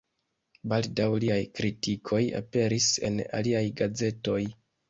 Baldaŭ liaj kritikoj aperis en aliaj gazetoj.